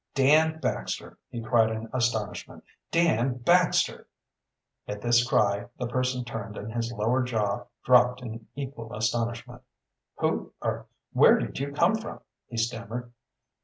"Dan Baxter!" he cried in astonishment. "Dan Baxter!" At this cry the person turned and his lower jaw dropped in equal astonishment. "Who er where did you come from?" he stammered.